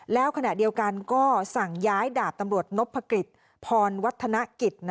แล้วขณะเดียวกันก็สั่งย้ายดาบตำรวจนพกฤษพรวัฒนกิจ